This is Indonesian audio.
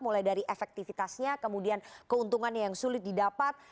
mulai dari efektivitasnya kemudian keuntungannya yang sulit didapat